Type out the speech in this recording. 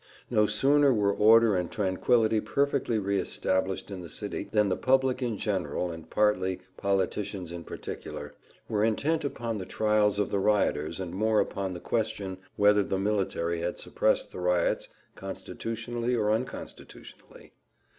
No sooner were order and tranquillity perfectly re established in the city, than the public in general, and party politicians in particular, were intent upon the trials of the rioters, and more upon the question whether the military had suppressed the riots constitutionally or unconstitutionally.